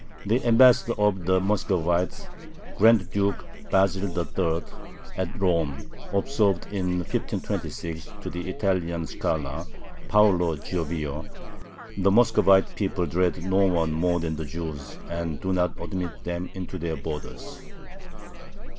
The ambassador of the Muscovite Grand Duke, Basil III., at Rome, observed in 1526 to the Italian scholar Paolo Giovio: "The Muscovite people dread no one more than the Jews, and do not admit them into their borders."